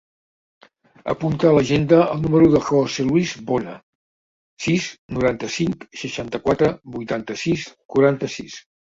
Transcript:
Apunta a l'agenda el número del José luis Bona: sis, noranta-cinc, seixanta-quatre, vuitanta-sis, quaranta-sis.